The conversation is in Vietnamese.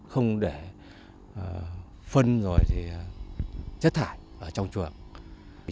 không để phân rồi thì chết thải